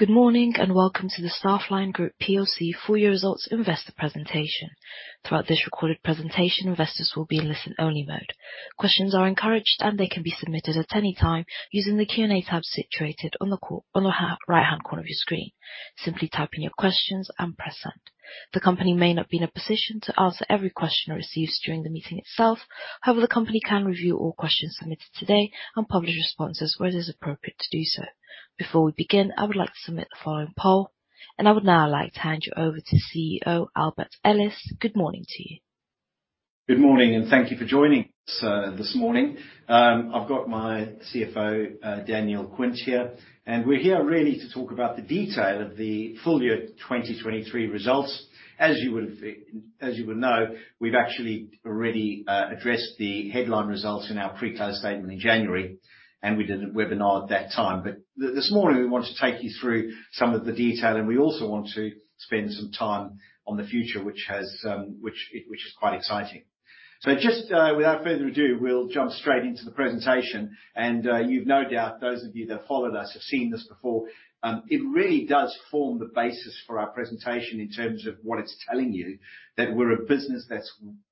Good morning and welcome to the Staffline Group PLC full year results investor presentation. Throughout this recorded presentation, investors will be in listen-only mode. Questions are encouraged, and they can be submitted at any time using the Q&A tab situated in the bottom right-hand corner of your screen. Simply type in your questions and press send. The company may not be in a position to answer every question received during the meeting itself; however, the company can review all questions submitted today and publish responses where it is appropriate to do so. Before we begin, I would like to submit the following poll, and I would now like to hand you over to CEO Albert Ellis. Good morning to you. Good morning, and thank you for joining us this morning. I've got my CFO, Daniel Quint here, and we're here really to talk about the detail of the full year 2023 results. As you would have thought, as you would know, we've actually already addressed the headline results in our pre-close statement in January, and we did a webinar at that time. But this morning, we want to take you through some of the detail, and we also want to spend some time on the future, which is quite exciting. So just, without further ado, we'll jump straight into the presentation, and you've no doubt those of you that followed us have seen this before. It really does form the basis for our presentation in terms of what it's telling you, that we're a business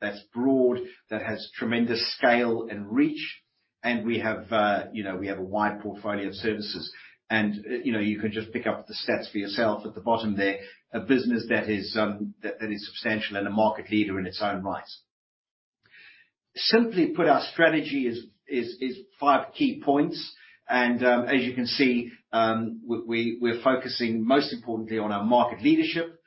that's broad, that has tremendous scale and reach, and we have, you know, we have a wide portfolio of services. And, you know, you can just pick up the stats for yourself at the bottom there: a business that is substantial and a market leader in its own right. Simply put, our strategy is five key points, and, as you can see, we're focusing most importantly on our market leadership.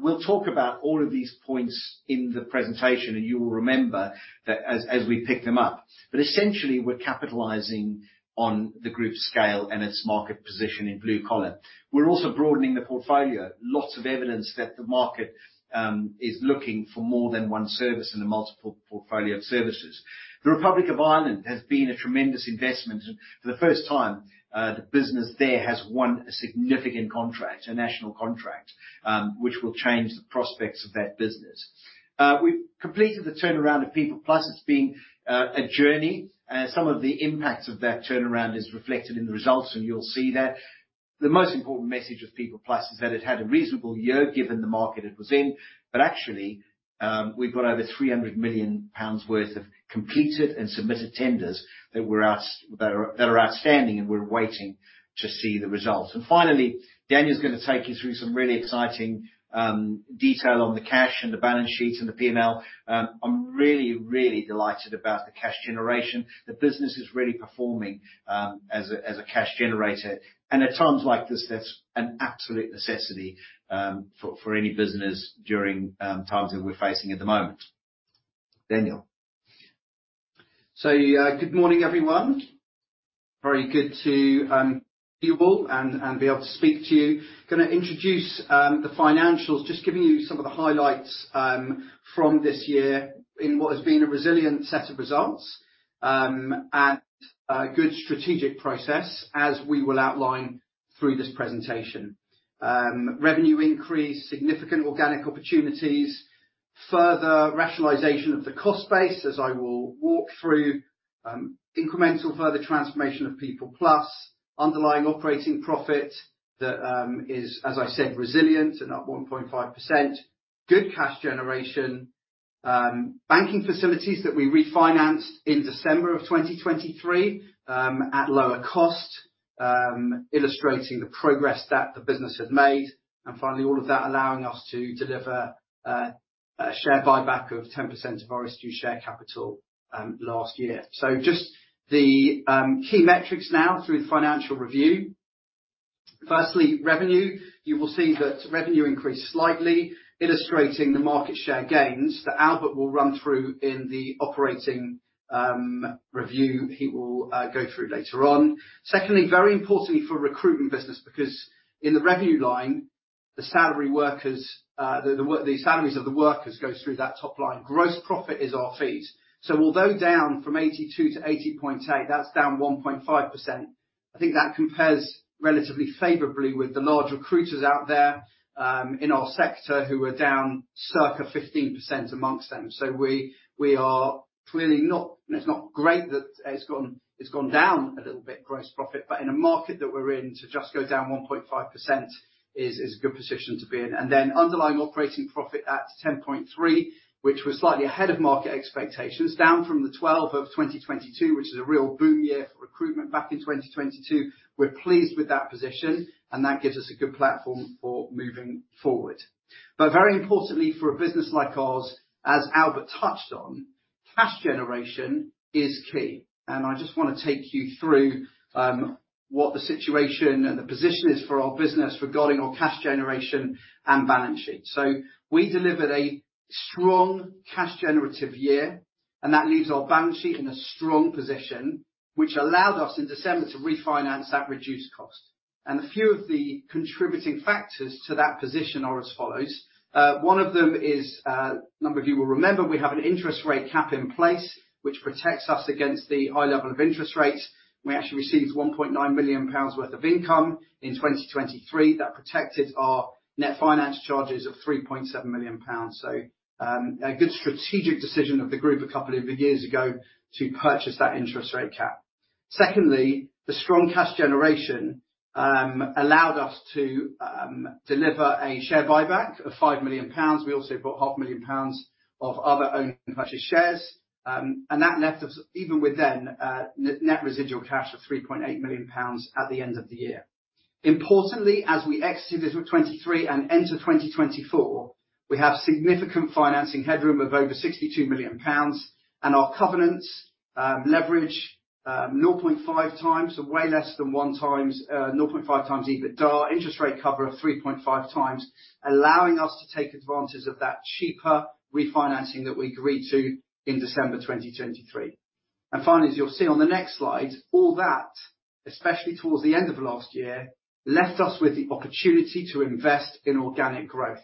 We'll talk about all of these points in the presentation, and you will remember that as we pick them up. But essentially, we're capitalizing on the group's scale and its market position in blue collar. We're also broadening the portfolio. Lots of evidence that the market is looking for more than one service in a multiple portfolio of services. The Republic of Ireland has been a tremendous investment, and for the first time, the business there has won a significant contract, a national contract, which will change the prospects of that business. We've completed the turnaround of PeoplePlus. It's been a journey, and some of the impacts of that turnaround is reflected in the results, and you'll see that. The most important message of PeoplePlus is that it had a reasonable year given the market it was in, but actually, we've got over 300 million pounds worth of completed and submitted tenders that were outs that are that are outstanding, and we're waiting to see the results. And finally, Daniel's gonna take you through some really exciting detail on the cash and the balance sheet and the P&L. I'm really, really delighted about the cash generation. The business is really performing, as a cash generator, and at times like this, that's an absolute necessity, for any business during times that we're facing at the moment. Daniel. So, good morning, everyone. Very good to see you all and be able to speak to you. Gonna introduce the financials, just giving you some of the highlights from this year in what has been a resilient set of results, and good strategic progress as we will outline through this presentation. Revenue increase, significant organic opportunities, further rationalization of the cost base, as I will walk through, incremental further transformation of PeoplePlus, underlying operating profit that is, as I said, resilient and up 1.5%, good cash generation, banking facilities that we refinanced in December of 2023 at lower cost, illustrating the progress that the business had made, and finally, all of that allowing us to deliver a share buyback of 10% of issued share capital last year. So just the key metrics now through the financial review. Firstly, revenue. You will see that revenue increased slightly, illustrating the market share gains that Albert will run through in the operating review he will go through later on. Secondly, very importantly for recruitment business, because in the revenue line, the salaries of the workers go through that top line. Gross profit is our fees. So although down from 82 to 80.8, that's down 1.5%, I think that compares relatively favorably with the large recruiters out there, in our sector who are down circa 15% among them. So we are clearly not and it's not great that it's gone down a little bit, gross profit, but in a market that we're in, to just go down 1.5% is a good position to be in. And then underlying operating profit at 10.3, which was slightly ahead of market expectations, down from the 12 of 2022, which is a real boom year for recruitment back in 2022. We're pleased with that position, and that gives us a good platform for moving forward. But very importantly for a business like ours, as Albert touched on, cash generation is key. And I just wanna take you through what the situation and the position is for our business regarding our cash generation and balance sheet. So we delivered a strong cash-generative year, and that leaves our balance sheet in a strong position, which allowed us in December to refinance at reduced cost. And a few of the contributing factors to that position are as follows. One of them is, a number of you will remember, we have an interest rate cap in place, which protects us against the high level of interest rates. We actually received 1.9 million pounds worth of income in 2023 that protected our net finance charges of 3.7 million pounds. So, a good strategic decision of the group a couple of years ago to purchase that interest rate cap. Secondly, the strong cash generation, allowed us to, deliver a share buyback of 5 million pounds. We also bought 5 million pounds of other owned and purchased shares, and that left us even with then, net, net residual cash of 3.8 million pounds at the end of the year. Importantly, as we exited this 2023 and entered 2024, we have significant financing headroom of over 62 million pounds, and our covenants, leverage, 0.5 times, so way less than 1 times, 0.5 times EBITDA, interest rate cover of 3.5 times, allowing us to take advantage of that cheaper refinancing that we agreed to in December 2023. And finally, as you'll see on the next slide, all that, especially towards the end of last year, left us with the opportunity to invest in organic growth.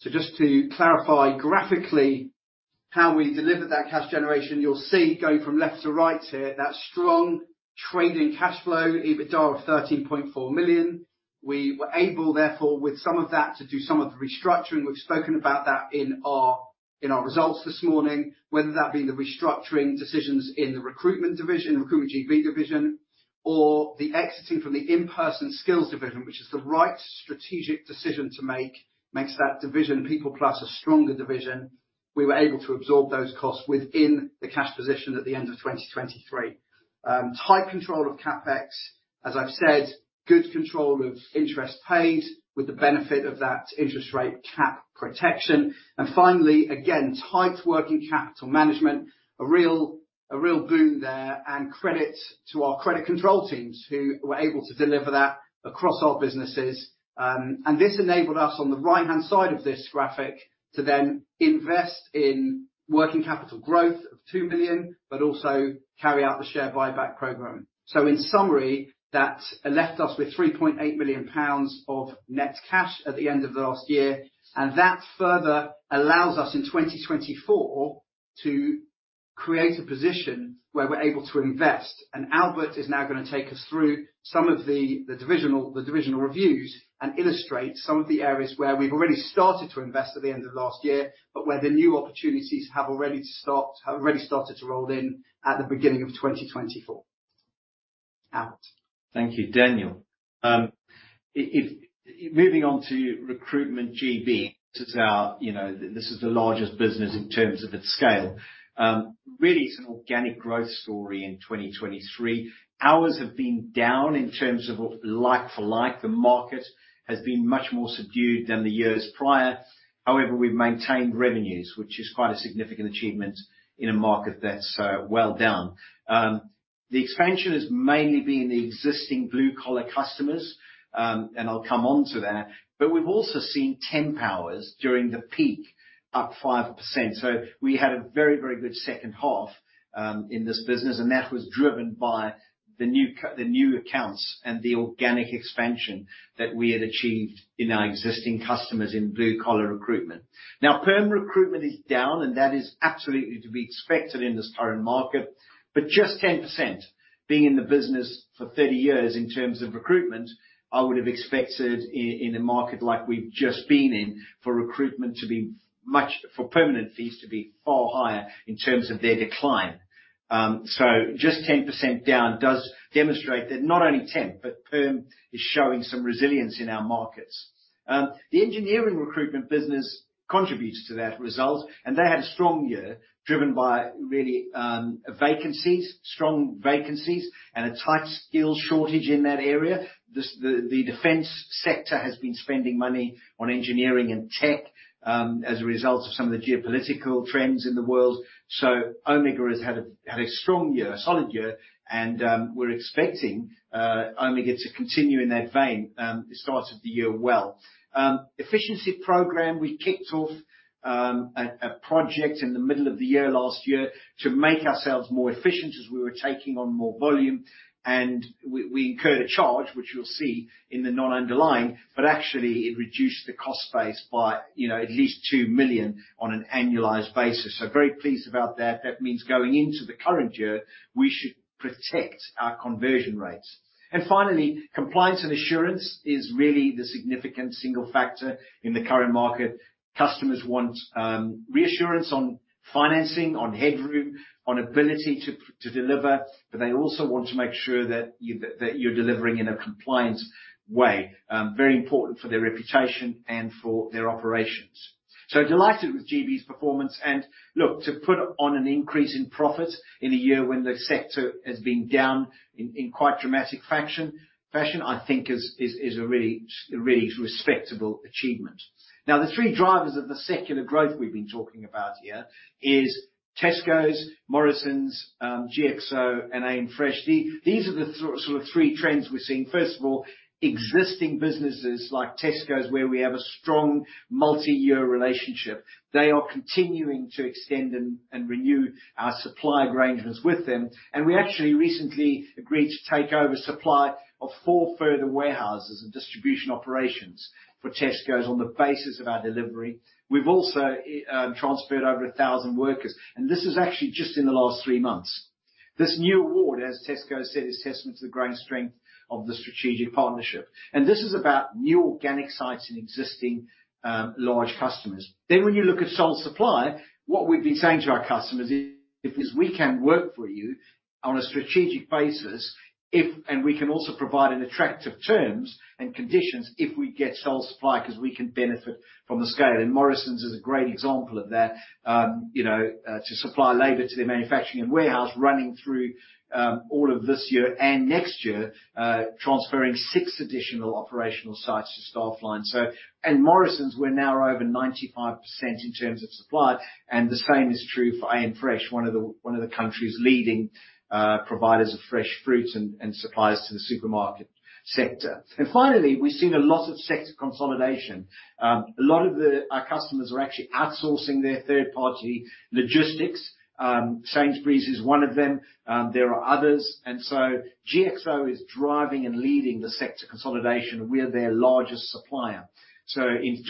So just to clarify graphically how we delivered that cash generation, you'll see going from left to right here, that strong trading cash flow, EBITDA of 13.4 million. We were able, therefore, with some of that, to do some of the restructuring. We've spoken about that in our in our results this morning, whether that be the restructuring decisions in the recruitment division, Recruitment GB division, or the exiting from the in-person skills division, which is the right strategic decision to make, makes that division, PeoplePlus, a stronger division. We were able to absorb those costs within the cash position at the end of 2023. Tight control of CapEx, as I've said, good control of interest paid with the benefit of that interest rate cap protection. And finally, again, tight working capital management, a real a real boom there, and credit to our credit control teams who were able to deliver that across our businesses. And this enabled us, on the right-hand side of this graphic, to then invest in working capital growth of 2 million, but also carry out the share buyback program. So in summary, that left us with 3.8 million pounds of net cash at the end of last year, and that further allows us in 2024 to create a position where we're able to invest. And Albert is now gonna take us through some of the divisional reviews and illustrate some of the areas where we've already started to invest at the end of last year, but where the new opportunities have already started to roll in at the beginning of 2024. Albert. Thank you, Daniel. If moving on to Recruitment GB, this is our, you know, this is the largest business in terms of its scale. Really, it's an organic growth story in 2023. Ours have been down in terms of like-for-like. The market has been much more subdued than the years prior. However, we've maintained revenues, which is quite a significant achievement in a market that's, well, down. The expansion has mainly been the existing blue collar customers, and I'll come on to that. But we've also seen temp hours during the peak up 5%. So we had a very, very good second half in this business, and that was driven by the new the new accounts and the organic expansion that we had achieved in our existing customers in blue collar recruitment. Now, perm recruitment is down, and that is absolutely to be expected in this current market, but just 10% being in the business for 30 years in terms of recruitment, I would have expected in a market like we've just been in for recruitment to be much for permanent fees to be far higher in terms of their decline. So just 10% down does demonstrate that not only temp, but perm is showing some resilience in our markets. The engineering recruitment business contributes to that result, and they had a strong year driven by really, vacancies, strong vacancies, and a tight skills shortage in that area. The defense sector has been spending money on engineering and tech, as a result of some of the geopolitical trends in the world. So Omega has had a strong year, a solid year, and we're expecting Omega to continue in that vein. The start of the year well. Efficiency program, we kicked off a project in the middle of the year last year to make ourselves more efficient as we were taking on more volume, and we incurred a charge, which you'll see in the non-underlying, but actually, it reduced the cost base by, you know, at least 2 million on an annualized basis. So very pleased about that. That means going into the current year, we should protect our conversion rates. Finally, compliance and assurance is really the significant single factor in the current market. Customers want reassurance on financing, on headroom, on ability to deliver, but they also want to make sure that you're delivering in a compliant way, very important for their reputation and for their operations. So delighted with GB's performance. And look, to put on an increase in profits in a year when the sector has been down in quite dramatic fashion, I think, is a really respectable achievement. Now, the three drivers of the secular growth we've been talking about here is Tesco, Morrisons, GXO, and AMFRESH. These are the three sort of three trends we're seeing. First of all, existing businesses like Tesco, where we have a strong multi-year relationship, they are continuing to extend and renew our supply arrangements with them. We actually recently agreed to take over supply of four further warehouses and distribution operations for Tesco on the basis of our delivery. We've also transferred over 1,000 workers, and this is actually just in the last three months. This new award, as Tesco said, is testament to the growing strength of the strategic partnership. And this is about new organic sites and existing, large customers. Then when you look at sole supply, what we've been saying to our customers is, "If we can work for you on a strategic basis, and we can also provide an attractive terms and conditions if we get sole supply, 'cause we can benefit from the scale." And Morrisons is a great example of that, you know, to supply labor to their manufacturing and warehouse running through all of this year and next year, transferring six additional operational sites to Staffline. So and Morrisons, we're now over 95% in terms of supply, and the same is true for AMFRESH, one of the country's leading providers of fresh fruit and suppliers to the supermarket sector. And finally, we've seen a lot of sector consolidation. A lot of our customers are actually outsourcing their third-party logistics. Sainsbury's is one of them. There are others. And so GXO is driving and leading the sector consolidation. We're their largest supplier. So in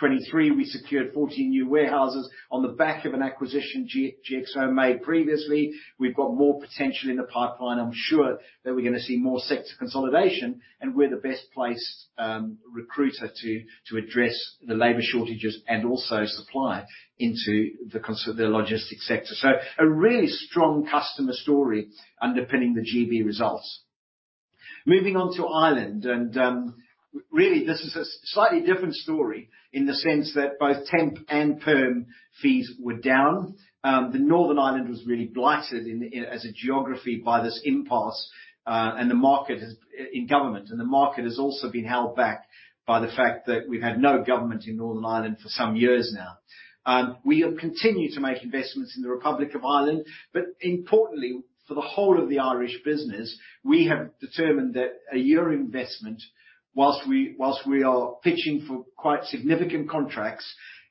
2023, we secured 14 new warehouses on the back of an acquisition GXO made previously. We've got more potential in the pipeline. I'm sure that we're gonna see more sector consolidation, and we're the best placed recruiter to address the labor shortages and also supply into the customer's logistics sector. So a really strong customer story underpinning the GB results. Moving on to Ireland, really this is a slightly different story in the sense that both temp and perm fees were down. Northern Ireland was really blighted in NI as a geography by this impasse, and the market has also been held back by the fact that we've had no government in Northern Ireland for some years now. We have continued to make investments in the Republic of Ireland, but importantly, for the whole of the Irish business, we have determined that a year investment, whilst we are pitching for quite significant contracts,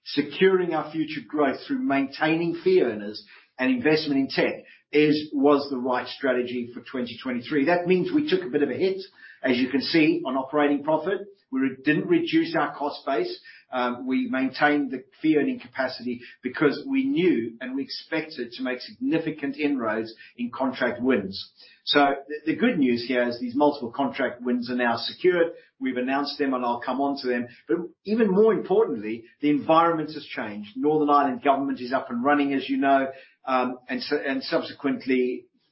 securing our future growth through maintaining fee earners and investment in tech, is the right strategy for 2023. That means we took a bit of a hit, as you can see, on operating profit. We didn't reduce our cost base. We maintained the fee-earning capacity because we knew and we expected to make significant inroads in contract wins. So the good news here is these multiple contract wins are now secured. We've announced them, and I'll come on to them. But even more importantly, the environment has changed. Northern Ireland government is up and running, as you know, and subsequently,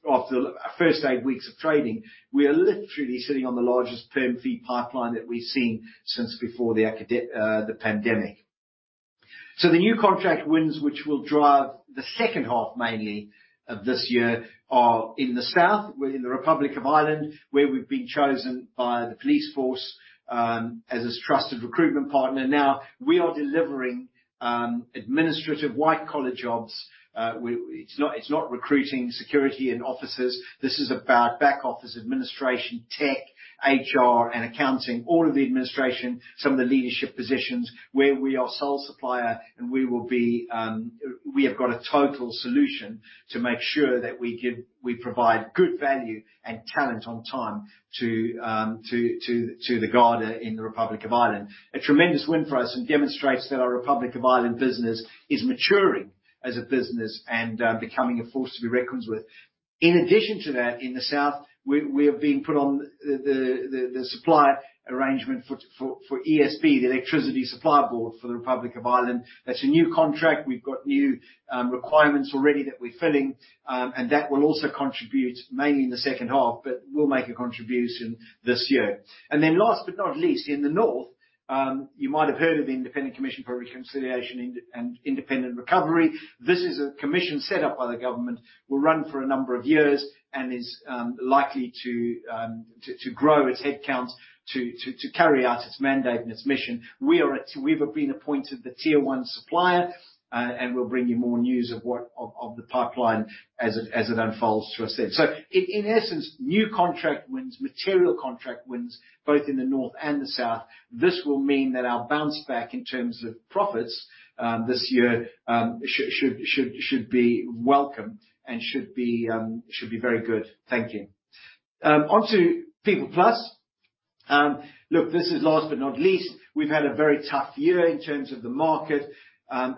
after the first eight weeks of trading, we are literally sitting on the largest perm fee pipeline that we've seen since before the pandemic. So the new contract wins, which will drive the second half mainly of this year, are in the south, we're in the Republic of Ireland, where we've been chosen by An Garda Síochána, as its trusted recruitment partner. Now, we are delivering administrative white-collar jobs. We, it's not recruiting security officers. This is about back office administration, tech, HR, and accounting, all of the administration, some of the leadership positions, where we are sole supplier, and we will be. We have got a total solution to make sure that we provide good value and talent on time to the Garda in the Republic of Ireland. A tremendous win for us and demonstrates that our Republic of Ireland business is maturing as a business and becoming a force to be reckoned with. In addition to that, in the south, we have been put on the supply arrangement for ESB, the Electricity Supply Board for the Republic of Ireland. That's a new contract. We've got new requirements already that we're filling, and that will also contribute mainly in the second half, but will make a contribution this year. And then last but not least, in the north, you might have heard of the Independent Commission for Reconciliation and Information Recovery. This is a commission set up by the government, will run for a number of years, and is likely to grow its headcount to carry out its mandate and its mission. We've been appointed the tier-one supplier, and we'll bring you more news of the pipeline as it unfolds. As I said. So, in essence, new contract wins, material contract wins, both in the north and the south, this will mean that our bounce back in terms of profits this year should be welcome and should be very good. Thank you. On to PeoplePlus. Look, this is last but not least. We've had a very tough year in terms of the market.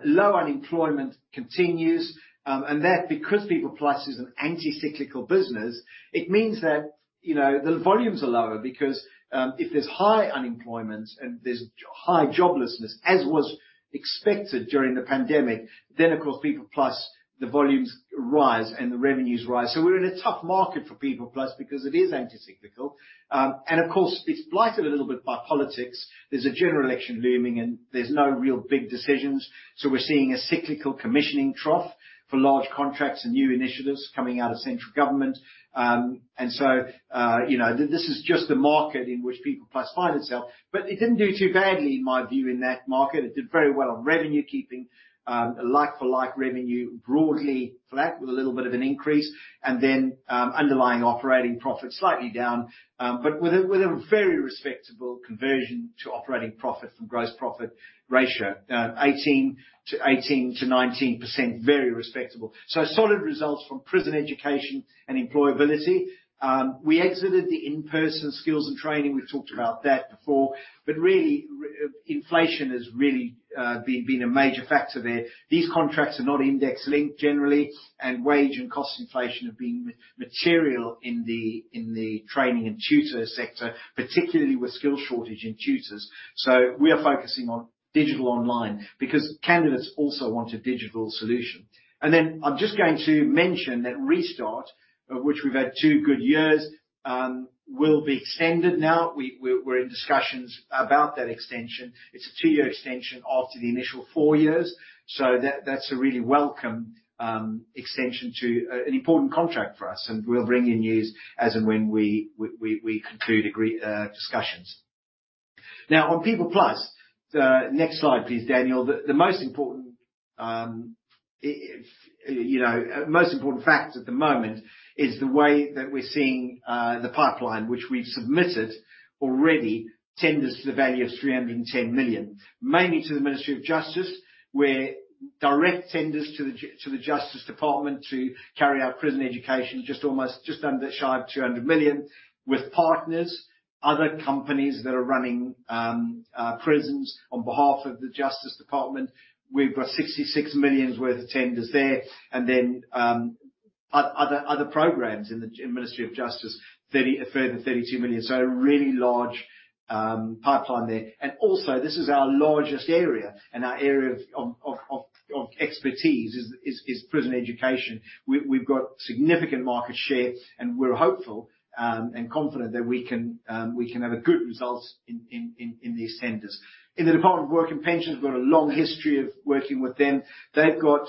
Low unemployment continues, and that's because PeoplePlus is an anticyclical business, it means that, you know, the volumes are lower because, if there's high unemployment and there's a high joblessness, as was expected during the pandemic, then, of course, PeoplePlus, the volumes rise and the revenues rise. So we're in a tough market for PeoplePlus because it is anticyclical. Of course, it's blighted a little bit by politics. There's a general election looming, and there's no real big decisions. So we're seeing a cyclical commissioning trough for large contracts and new initiatives coming out of central government. So, you know, this is just the market in which PeoplePlus finds itself. But it didn't do too badly, in my view, in that market. It did very well on revenue keeping, a like-for-like revenue, broadly flat with a little bit of an increase, and then, underlying operating profit slightly down, but with a very respectable conversion to operating profit from gross profit ratio, 18% to 19%, very respectable. So solid results from prison education and employability. We exited the in-person skills and training. We've talked about that before, but really, inflation has really been a major factor there. These contracts are not index-linked, generally, and wage and cost inflation have been material in the training and tutor sector, particularly with skill shortage in tutors. So we are focusing on digital online because candidates also want a digital solution. And then I'm just going to mention that Restart, of which we've had two good years, will be extended now. We're in discussions about that extension. It's a two-year extension after the initial four years. So that's a really welcome extension to an important contract for us, and we'll bring you news as and when we conclude discussions. Now, on PeoplePlus, the next slide, please, Daniel. The most important, if you know, most important fact at the moment is the way that we're seeing the pipeline, which we've submitted already, tenders to the value of 310 million, mainly to the Ministry of Justice, where direct tenders to the Justice Department to carry out prison education just shy of 200 million, with partners, other companies that are running prisons on behalf of the Justice Department. We've got 66 million worth of tenders there, and then other programs in the Ministry of Justice, 30 million further 32 million. So a really large pipeline there. And also, this is our largest area, and our area of expertise is prison education. We've got significant market share, and we're hopeful and confident that we can have a good result in these tenders. In the Department for Work and Pensions, we've got a long history of working with them. They've got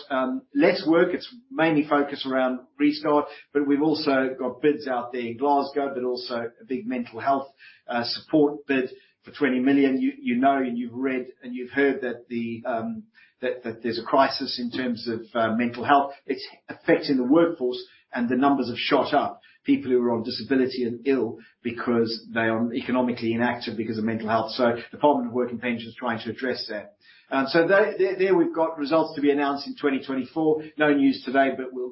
less work. It's mainly focused around Restart, but we've also got bids out there in Glasgow, but also a big mental health support bid for 20 million. You know, and you've read and you've heard that there's a crisis in terms of mental health. It's affecting the workforce, and the numbers have shot up, people who are on disability and ill because they are economically inactive because of mental health. So the Department for Work and Pensions is trying to address that. So there we've got results to be announced in 2024. No news today, but we'll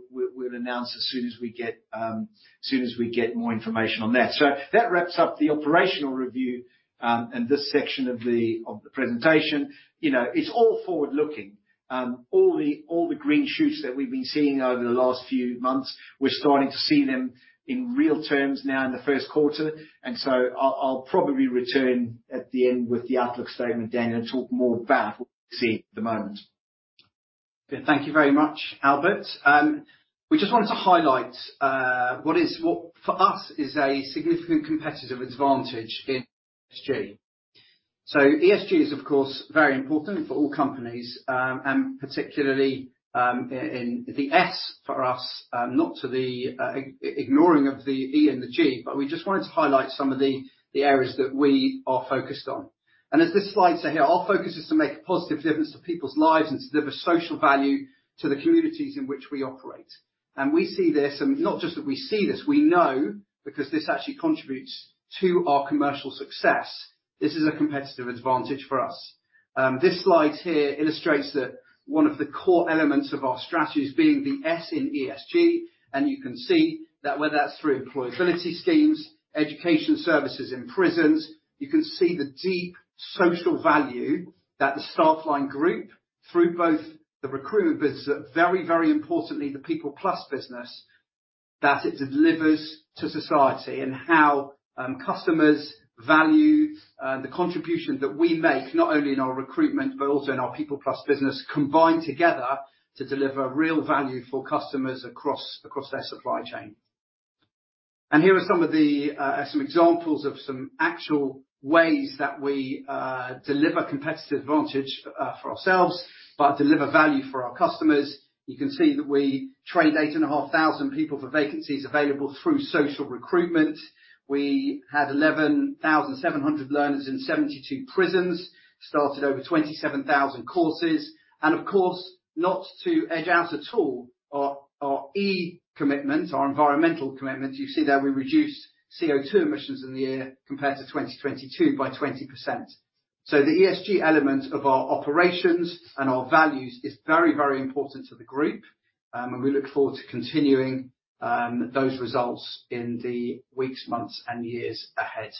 announce as soon as we get more information on that. So that wraps up the operational review, and this section of the presentation. You know, it's all forward-looking. All the green shoots that we've been seeing over the last few months, we're starting to see them in real terms now in the first quarter. And so I'll probably return at the end with the outlook statement, Daniel, and talk more about what we see at the moment. Good. Thank you very much, Albert. We just wanted to highlight what is, what for us is a significant competitive advantage in ESG. So ESG is, of course, very important for all companies, and particularly, in the S for us, not to the ignoring of the E and the G, but we just wanted to highlight some of the areas that we are focused on. And as the slides are here, our focus is to make a positive difference to people's lives and to deliver social value to the communities in which we operate. And we see this and not just that we see this, we know, because this actually contributes to our commercial success, this is a competitive advantage for us. This slide here illustrates that one of the core elements of our strategy is being the S in ESG, and you can see that whether that's through employability schemes, education services in prisons. You can see the deep social value that the Staffline Group, through both the recruitment business, but very, very importantly, the PeoplePlus business, delivers to society and how customers value the contribution that we make, not only in our recruitment but also in our PeoplePlus business, combined together to deliver real value for customers across their supply chain. And here are some examples of actual ways that we deliver competitive advantage for ourselves but deliver value for our customers. You can see that we trained 8,500 people for vacancies available through social recruitment. We had 11,700 learners in 72 prisons, started over 27,000 courses. Of course, not to forget at all, our environmental commitment. You see there we reduced CO2 emissions in the year compared to 2022 by 20%. So the ESG element of our operations and our values is very, very important to the group, and we look forward to continuing those results in the weeks, months, and years ahead.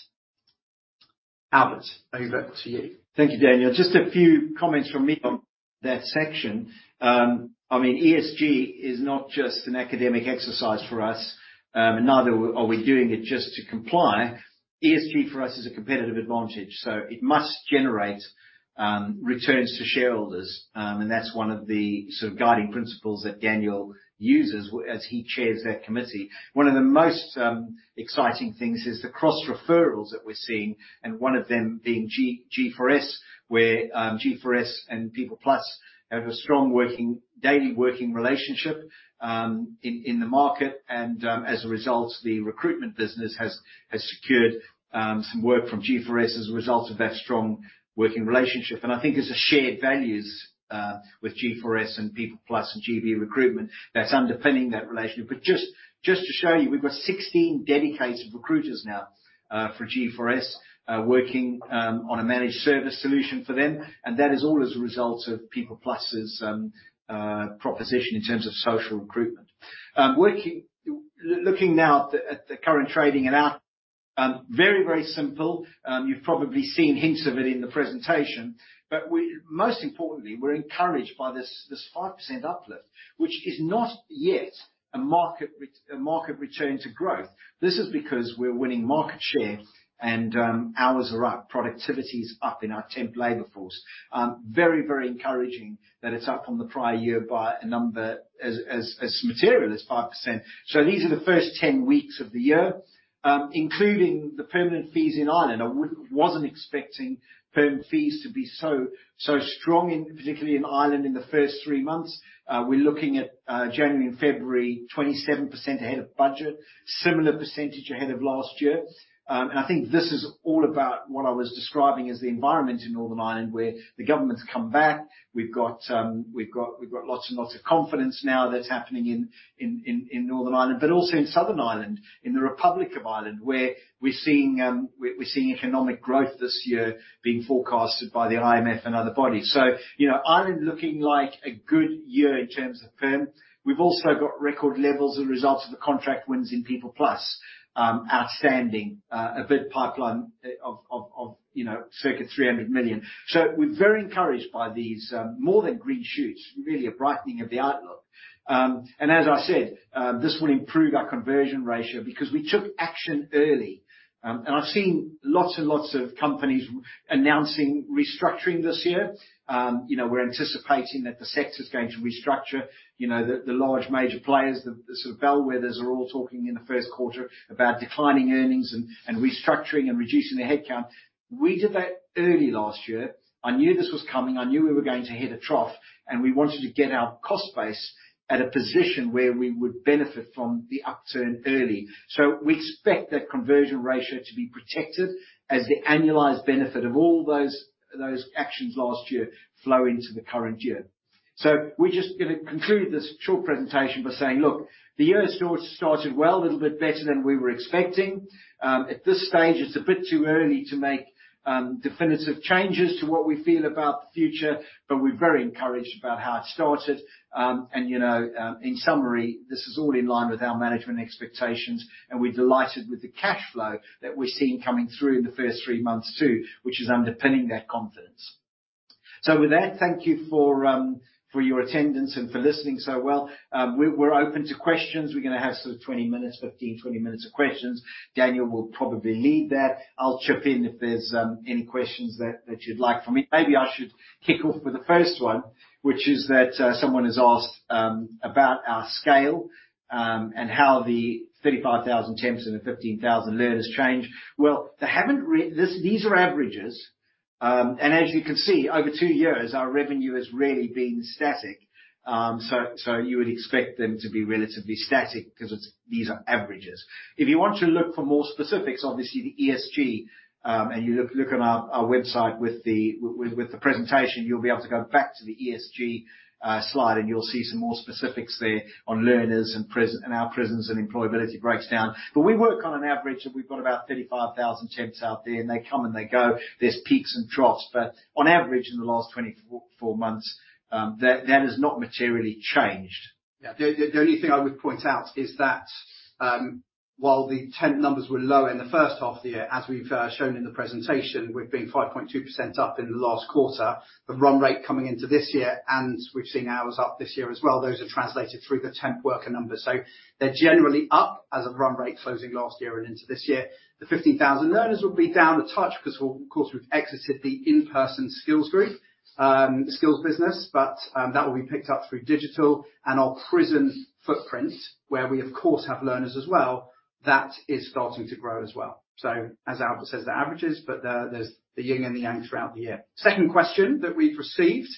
Albert, over to you. Thank you, Daniel. Just a few comments from me on that section. I mean, ESG is not just an academic exercise for us, and neither are we doing it just to comply. ESG for us is a competitive advantage, so it must generate returns to shareholders, and that's one of the sort of guiding principles that Daniel uses as he chairs that committee. One of the most exciting things is the cross-referrals that we're seeing, and one of them being G4S, where G4S and PeoplePlus have a strong daily working relationship in the market, and as a result, the recruitment business has secured some work from G4S as a result of that strong working relationship. And I think as shared values with G4S and PeoplePlus and Recruitment GB, that's underpinning that relationship. But just to show you, we've got 16 dedicated recruiters now, for G4S, working on a managed service solution for them, and that is all as a result of PeoplePlus's proposition in terms of social recruitment. Working, looking now at the current trading and our very, very simple. You've probably seen hints of it in the presentation, but we most importantly, we're encouraged by this 5% uplift, which is not yet a market a market return to growth. This is because we're winning market share, and hours are up, productivity's up in our temp labor force. Very, very encouraging that it's up on the prior year by a number as material as 5%. So these are the first 10 weeks of the year, including the permanent fees in Ireland. I wouldn't wasn't expecting perm fees to be so strong, particularly in Ireland in the first three months. We're looking at January and February 27% ahead of budget, similar percentage ahead of last year. And I think this is all about what I was describing as the environment in Northern Ireland, where the government's come back. We've got lots and lots of confidence now that's happening in Northern Ireland, but also in Southern Ireland, in the Republic of Ireland, where we're seeing economic growth this year being forecasted by the IMF and other bodies. So, you know, Ireland looking like a good year in terms of perm. We've also got record levels as a result of the contract wins in PeoplePlus, outstanding, a bid pipeline of, you know, circa 300 million. So we're very encouraged by these, more than green shoots, really a brightening of the outlook. As I said, this will improve our conversion ratio because we took action early. I've seen lots and lots of companies are announcing restructuring this year. You know, we're anticipating that the sector's going to restructure, you know, the large major players, the sort of bellwethers are all talking in the first quarter about declining earnings and restructuring and reducing their headcount. We did that early last year. I knew this was coming. I knew we were going to hit a trough, and we wanted to get our cost base at a position where we would benefit from the upturn early. So we expect that conversion ratio to be protected as the annualized benefit of all those actions last year flow into the current year. So we're just gonna conclude this short presentation by saying, look, the year has started well, a little bit better than we were expecting. At this stage, it's a bit too early to make definitive changes to what we feel about the future, but we're very encouraged about how it started. You know, in summary, this is all in line with our management expectations, and we're delighted with the cash flow that we're seeing coming through in the first three months too, which is underpinning that confidence. So with that, thank you for your attendance and for listening so well. We're open to questions. We're gonna have sort of 20 minutes, 15, 20 minutes of questions. Daniel will probably lead that. I'll chip in if there's any questions that you'd like from me. Maybe I should kick off with the first one, which is that someone has asked about our scale and how the 35,000 temps and the 15,000 learners change. Well, they haven't. Regarding this, these are averages. As you can see, over two years, our revenue has really been static. So you would expect them to be relatively static 'cause these are averages. If you want to look for more specifics, obviously, the ESG, and you look on our website with the with the presentation, you'll be able to go back to the ESG slide, and you'll see some more specifics there on learners and prison and our prisons and employability breakdown. But we work on an average, and we've got about 35,000 temps out there, and they come and they go. There's peaks and troughs, but on average, in the last 24 months, that has not materially changed. Yeah. The only thing I would point out is that, while the temp numbers were low in the first half of the year, as we've shown in the presentation, we've been 5.2% up in the last quarter. The run rate coming into this year, and we've seen hours up this year as well, those are translated through the temp worker numbers. So they're generally up as of run rate closing last year and into this year. The 15,000 learners will be down a touch 'cause we'll, of course, we've exited the in-person skills group, skills business, but that will be picked up through digital. And our prison footprint, where we, of course, have learners as well, that is starting to grow as well. So as Albert Ellis says, the averages, but there's the yin and the yang throughout the year. Second question that we've received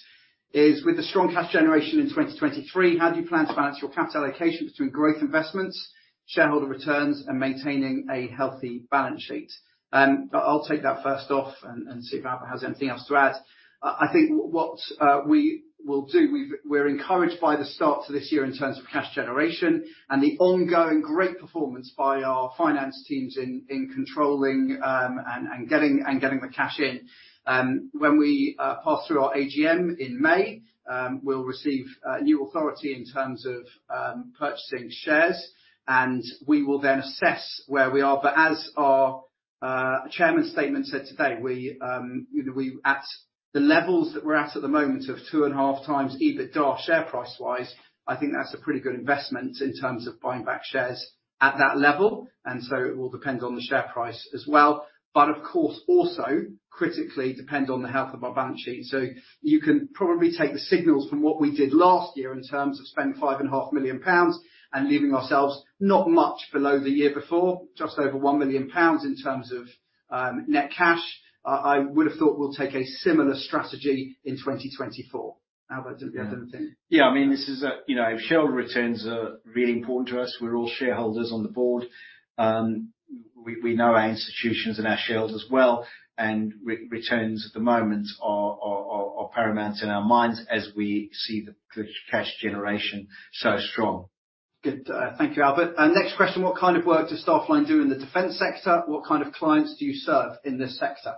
is, with the strong cash generation in 2023, how do you plan to balance your capital allocation between growth investments, shareholder returns, and maintaining a healthy balance sheet? I'll take that first off and see if Albert has anything else to add. I think what we will do, we're encouraged by the start to this year in terms of cash generation and the ongoing great performance by our finance teams in controlling and getting the cash in. When we pass through our AGM in May, we'll receive new authority in terms of purchasing shares, and we will then assess where we are. But as our chairman's statement said today, we, you know, we at the levels that we're at at the moment of 2.5x EBITDA share price-wise, I think that's a pretty good investment in terms of buying back shares at that level, and so it will depend on the share price as well. But of course, also, critically, depend on the health of our balance sheet. So you can probably take the signals from what we did last year in terms of spending 5.5 million pounds and leaving ourselves not much below the year before, just over 1 million pounds in terms of net cash. I would've thought we'll take a similar strategy in 2024. Albert, do you have anything? Yeah. I mean, this is, you know, shareholder returns are really important to us. We're all shareholders on the board. We know our institutions and our shares as well, and returns at the moment are paramount in our minds as we see the cash generation so strong. Good. Thank you, Albert. Next question, what kind of work does Staffline do in the defense sector? What kind of clients do you serve in this sector?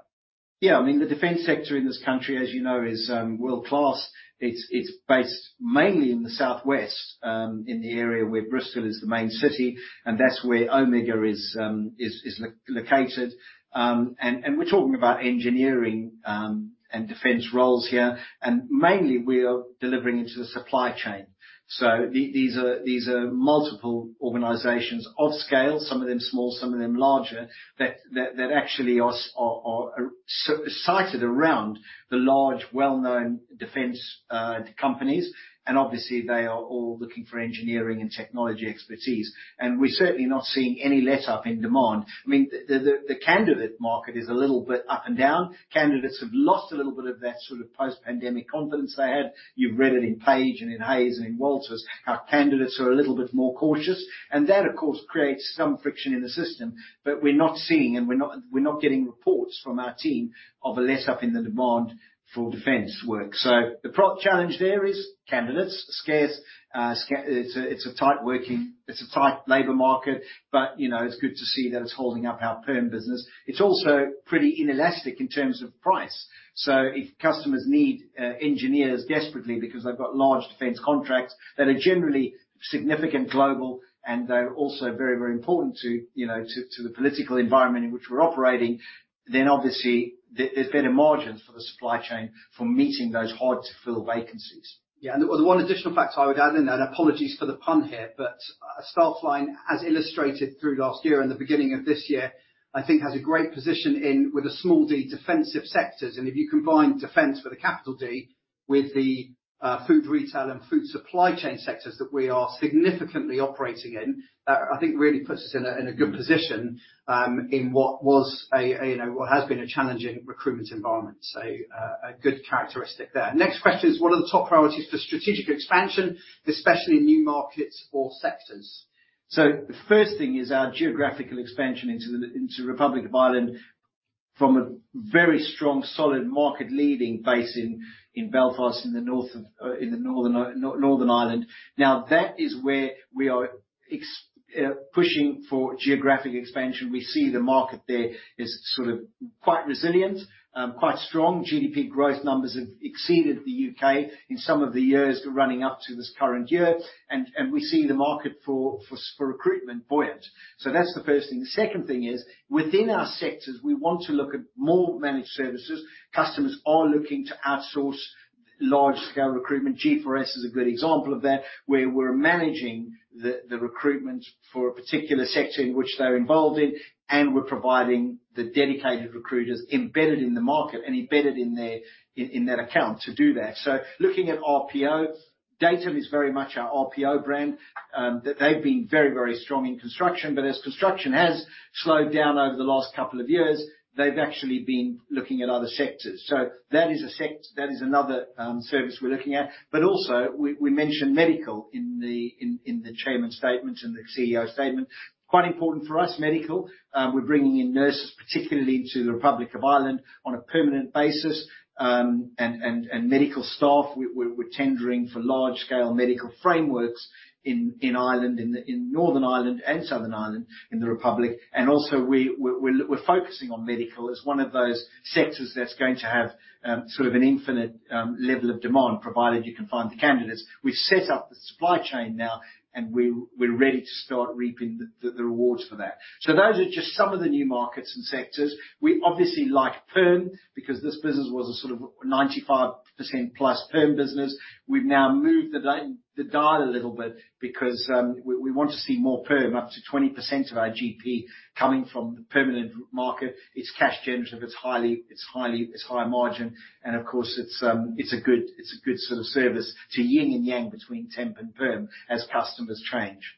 Yeah. I mean, the defense sector in this country, as you know, is world-class. It's based mainly in the southwest, in the area where Bristol is the main city, and that's where Omega is located. And we're talking about engineering, and defense roles here, and mainly we are delivering into the supply chain. So these are multiple organizations of scale, some of them small, some of them larger, that actually are sited around the large, well-known defense companies, and obviously, they are all looking for engineering and technology expertise. And we're certainly not seeing any letup in demand. I mean, the candidate market is a little bit up and down. Candidates have lost a little bit of that sort of post-pandemic confidence they had. You've read it in Page and in Hays and in Walters, how candidates are a little bit more cautious, and that, of course, creates some friction in the system, but we're not seeing, and we're not getting reports from our team of a letup in the demand for defense work. So the primary challenge there is candidates scarce. It's a tight labor market, but, you know, it's good to see that it's holding up our perm business. It's also pretty inelastic in terms of price. So if customers need engineers desperately because they've got large defense contracts that are generally significant global and they're also very, very important to, you know, to, to the political environment in which we're operating, then obviously, there's better margins for the supply chain for meeting those hard-to-fill vacancies. Yeah. And the one additional fact I would add in there, and apologies for the pun here, but, Staffline, as illustrated through last year and the beginning of this year, I think has a great position in, with a small d, defensive sectors. And if you combine defense with a capital D, with the food retail and food supply chain sectors that we are significantly operating in, that, I think, really puts us in a good position, in what was a, you know, what has been a challenging recruitment environment. So, a good characteristic there. Next question is, what are the top priorities for strategic expansion, especially in new markets or sectors? So the first thing is our geographical expansion into the Republic of Ireland from a very strong, solid market-leading base in Belfast, in the north of Northern Ireland. Now, that is where we are pushing for geographic expansion. We see the market there is sort of quite resilient, quite strong. GDP growth numbers have exceeded the UK in some of the years running up to this current year, and we see the market for recruitment buoyant. So that's the first thing. The second thing is, within our sectors, we want to look at more managed services. Customers are looking to outsource large-scale recruitment. G4S is a good example of that, where we're managing the recruitment for a particular sector in which they're involved in, and we're providing the dedicated recruiters embedded in the market and embedded in their in that account to do that. So looking at RPO, Datum is very much our RPO brand, that they've been very, very strong in construction, but as construction has slowed down over the last couple of years, they've actually been looking at other sectors. So that is another service we're looking at. But also, we mentioned medical in the chairman's statement and the CEO statement. Quite important for us, medical. We're bringing in nurses, particularly into the Republic of Ireland, on a permanent basis, and medical staff. We're tendering for large-scale medical frameworks in Ireland, in Northern Ireland and the Republic of Ireland. Also, we're focusing on medical as one of those sectors that's going to have sort of an infinite level of demand provided you can find the candidates. We've set up the supply chain now, and we're ready to start reaping the rewards for that. So those are just some of the new markets and sectors. We obviously like perm because this business was a sort of 95%-plus perm business. We've now moved the date a little bit because we want to see more perm, up to 20% of our GP coming from the permanent recruitment market. It's cash-generative. It's highly high margin. Of course, it's a good sort of service to yin and yang between temp and perm as customers change.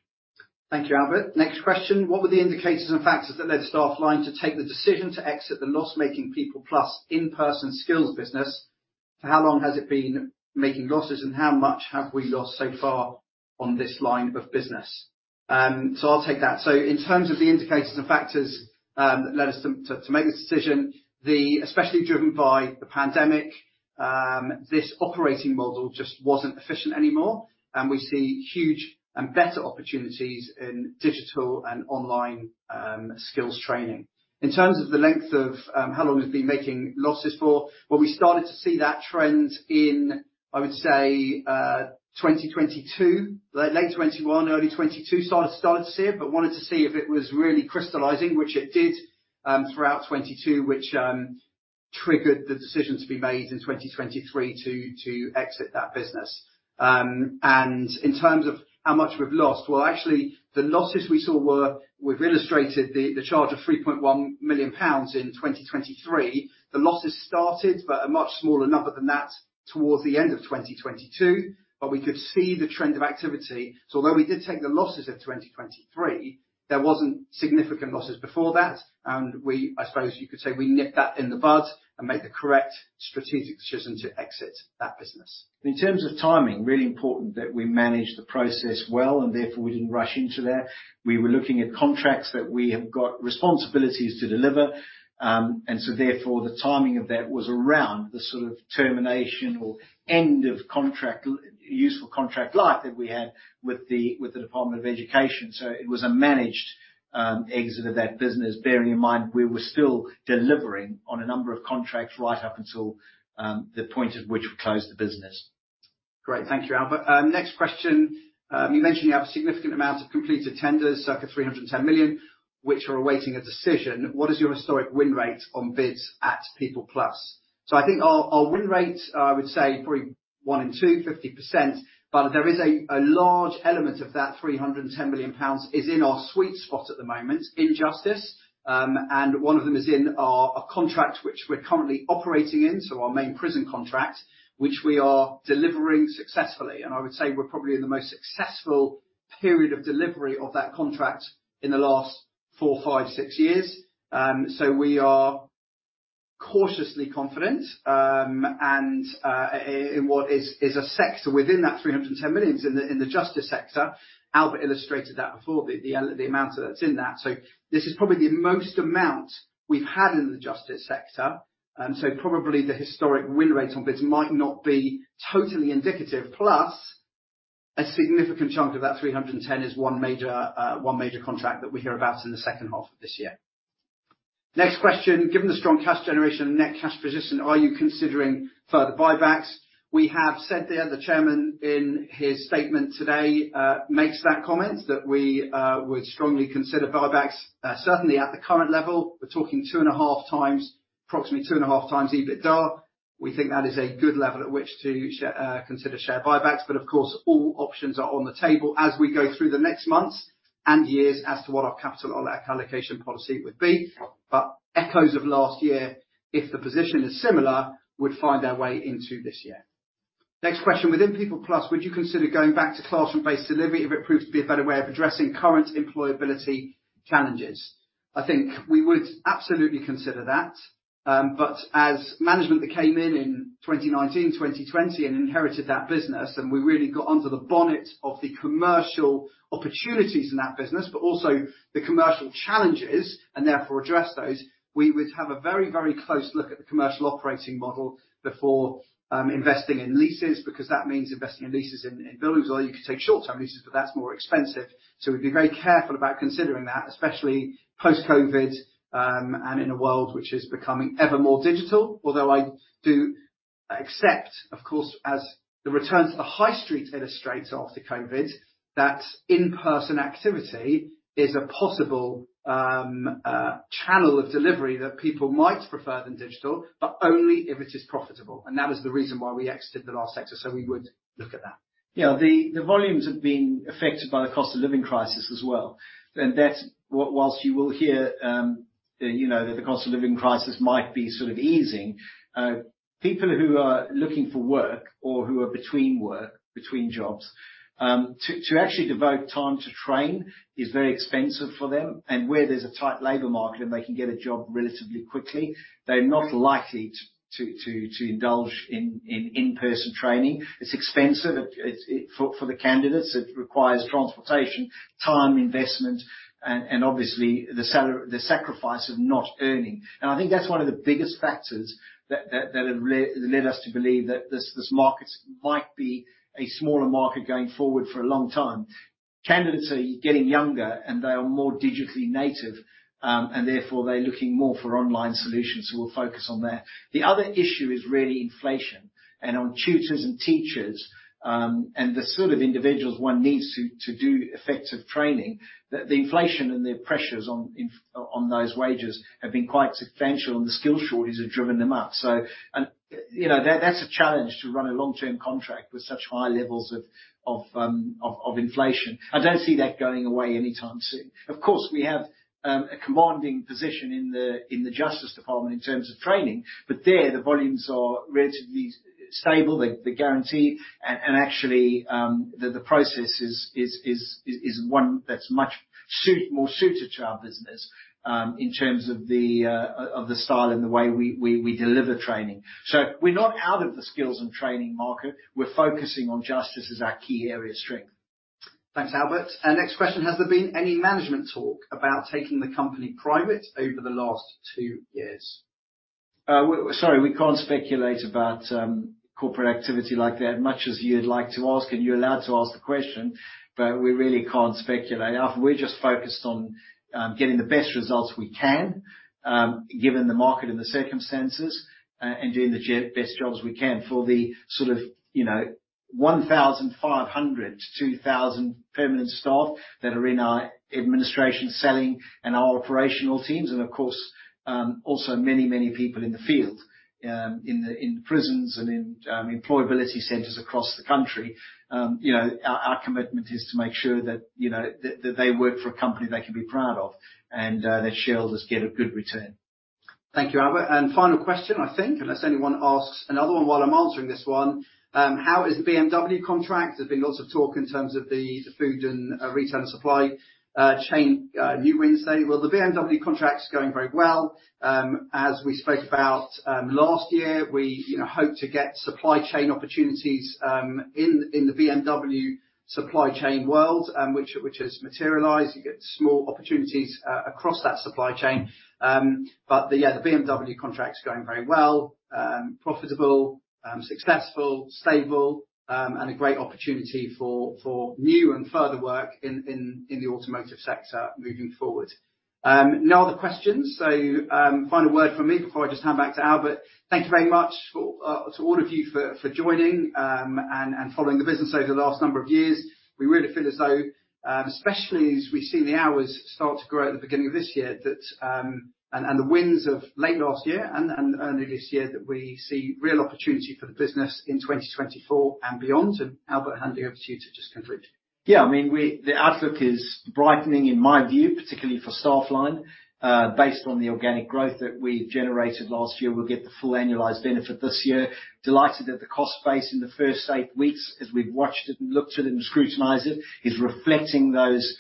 Thank you, Albert. Next question, what were the indicators and factors that led Staffline to take the decision to exit the loss-making PeoplePlus in-person skills business? For how long has it been making losses, and how much have we lost so far on this line of business? So I'll take that. So in terms of the indicators and factors that led us to make this decision, the especially driven by the pandemic, this operating model just wasn't efficient anymore, and we see huge and better opportunities in digital and online skills training. In terms of the length of, how long it's been making losses for, well, we started to see that trend in, I would say, 2022, late 2021, early 2022, started to see it, but wanted to see if it was really crystallising, which it did, throughout 2022, which triggered the decision to be made in 2023 to exit that business. And in terms of how much we've lost, well, actually, the losses we saw were we've illustrated the charge of 3.1 million pounds in 2023. The losses started, but a much smaller number than that towards the end of 2022, but we could see the trend of activity. So although we did take the losses of 2023, there wasn't significant losses before that, and we I suppose you could say we nipped that in the bud and made the correct strategic decision to exit that business. In terms of timing, really important that we managed the process well, and therefore, we didn't rush into there. We were looking at contracts that we have got responsibilities to deliver, and so therefore, the timing of that was around the sort of termination or end of contract useful contract life that we had with the Department of Education. So it was a managed exit of that business, bearing in mind we were still delivering on a number of contracts right up until the point at which we closed the business. Great. Thank you, Albert. Next question, you mentioned you have a significant amount of completed tenders, circa 310 million, which are awaiting a decision. What is your historic win rate on bids at PeoplePlus? So I think our win rate, I would say, probably 1 in 2, 50%, but there is a large element of that 310 million pounds is in our sweet spot at the moment, in justice, and one of them is in our contract which we're currently operating in, so our main prison contract, which we are delivering successfully. And I would say we're probably in the most successful period of delivery of that contract in the last 4, 5, 6 years. So we are cautiously confident, and in what is a sector within that 310 million is in the justice sector. Albert illustrated that before, the amount that's in that. So this is probably the most amount we've had in the justice sector, so probably the historic win rate on bids might not be totally indicative, plus a significant chunk of that 310 is one major contract that we hear about in the second half of this year. Next question, given the strong cash generation and net cash position, are you considering further buybacks? We have said there, the chairman, in his statement today, makes that comment that we would strongly consider buybacks, certainly at the current level. We're talking 2.5 times, approximately 2.5 times EBITDA. We think that is a good level at which to consider share buybacks, but of course, all options are on the table as we go through the next months and years as to what our capital allocation policy would be. But echoes of last year, if the position is similar, would find their way into this year. Next question, within PeoplePlus, would you consider going back to classroom-based delivery if it proves to be a better way of addressing current employability challenges? I think we would absolutely consider that, but as management that came in in 2019, 2020, and inherited that business, and we really got under the bonnet of the commercial opportunities in that business, but also the commercial challenges, and therefore, addressed those, we would have a very, very close look at the commercial operating model before investing in leases because that means investing in leases in buildings. Although you could take short-term leases, but that's more expensive. So we'd be very careful about considering that, especially post-COVID, and in a world which is becoming ever more digital. Although I do accept, of course, as the return to the high street illustrates after COVID, that in-person activity is a possible channel of delivery that people might prefer than digital, but only if it is profitable. And that is the reason why we exited the last sector. We would look at that. Yeah. The volumes have been affected by the cost of living crisis as well, and that's what while you will hear, you know, that the cost of living crisis might be sort of easing, people who are looking for work or who are between work, between jobs, to actually devote time to train is very expensive for them. And where there's a tight labor market and they can get a job relatively quickly, they're not likely to indulge in in-person training. It's expensive. It's for the candidates. It requires transportation, time investment, and obviously, the salary the sacrifice of not earning. And I think that's one of the biggest factors that have led us to believe that this market might be a smaller market going forward for a long time. Candidates are getting younger, and they are more digitally native, and therefore, they're looking more for online solutions, so we'll focus on that. The other issue is really inflation, and on tutors and teachers, and the sort of individuals one needs to do effective training, that the inflation and the pressures on those wages have been quite substantial, and the skill shortages have driven them up. So, you know, that's a challenge to run a long-term contract with such high levels of inflation. I don't see that going away anytime soon. Of course, we have a commanding position in the Justice Department in terms of training, but there, the volumes are relatively stable. They're guaranteed, and actually, the process is one that's much more suited to our business, in terms of the style and the way we deliver training. So we're not out of the skills and training market. We're focusing on justice as our key area of strength. Thanks, Albert. Next question, has there been any management talk about taking the company private over the last two years? We're sorry, we can't speculate about corporate activity like that much as you'd like to ask. You're allowed to ask the question, but we really can't speculate. Alf, we're just focused on getting the best results we can, given the market and the circumstances, and doing the best jobs we can for the sort of, you know, 1,500-2,000 permanent staff that are in our administration, selling and our operational teams, and of course, also many, many people in the field, in the prisons and in employability centers across the country. You know, our commitment is to make sure that, you know, that they work for a company they can be proud of and that shareholders get a good return. Thank you, Albert. Final question, I think, unless anyone asks another one while I'm answering this one, how is the BMW contract? There's been lots of talk in terms of the food and retail and supply chain news. Well, the BMW contract's going very well. As we spoke about last year, we, you know, hope to get supply chain opportunities in the BMW supply chain world, which has materialized. You get small opportunities across that supply chain. But yeah, the BMW contract's going very well, profitable, successful, stable, and a great opportunity for new and further work in the automotive sector moving forward. No other questions. Final word from me before I just hand back to Albert. Thank you very much to all of you for joining and following the business over the last number of years. We really feel as though, especially as we've seen the hours start to grow at the beginning of this year, that the wins of late last year and early this year, that we see real opportunity for the business in 2024 and beyond. And Albert, handing over to you to just conclude. Yeah. I mean, the outlook is brightening, in my view, particularly for Staffline, based on the organic growth that we've generated last year. We'll get the full annualized benefit this year. Delighted that the cost base in the first eight weeks, as we've watched it and looked at it and scrutinized it, is reflecting those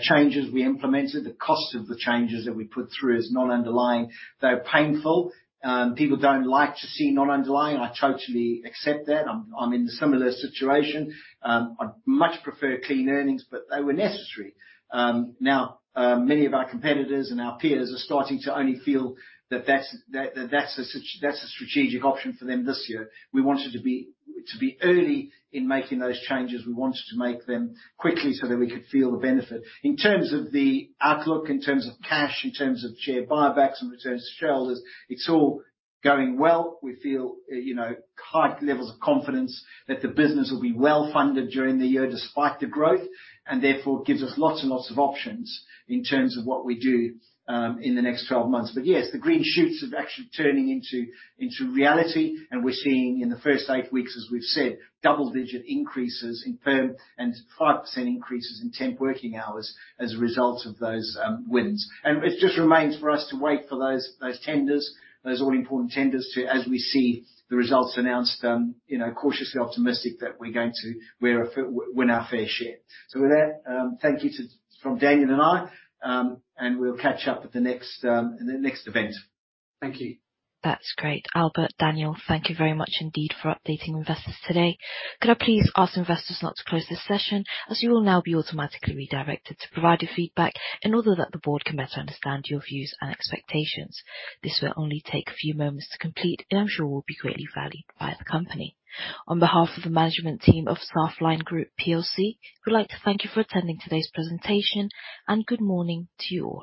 changes we implemented. The cost of the changes that we put through as non-underlying, though painful, people don't like to see non-underlying. I totally accept that. I'm in a similar situation. I'd much prefer clean earnings, but they were necessary. Now, many of our competitors and our peers are starting to feel that that's a strategic option for them this year. We wanted to be early in making those changes. We wanted to make them quickly so that we could feel the benefit. In terms of the outlook, in terms of cash, in terms of share buybacks and returns to shareholders, it's all going well. We feel, you know, high levels of confidence that the business will be well-funded during the year despite the growth, and therefore, gives us lots and lots of options in terms of what we do, in the next 12 months. But yes, the green shoots are actually turning into reality, and we're seeing, in the first 8 weeks, as we've said, double-digit increases in perm and 5% increases in temp working hours as a result of those, wins. And it just remains for us to wait for those tenders, those all-important tenders, as we see the results announced, you know, cautiously optimistic that we're going to win our fair share. With that, thank you from Daniel and I, and we'll catch up in the next event. Thank you. That's great. Albert, Daniel, thank you very much indeed for updating investors today. Could I please ask investors not to close this session, as you will now be automatically redirected to provide your feedback in order that the board can better understand your views and expectations? This will only take a few moments to complete, and I'm sure will be greatly valued by the company. On behalf of the management team of Staffline Group PLC, we'd like to thank you for attending today's presentation, and good morning to you all.